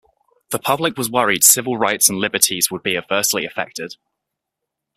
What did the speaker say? The public was worried civil rights and liberties would be adversely affected.